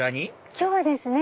今日はですね